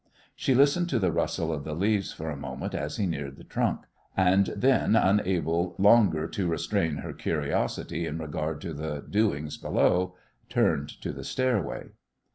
She listened to the rustle of the leaves for a moment as he neared the trunk, and then, unable longer to restrain her curiosity in regard to the doings below, turned to the stairway.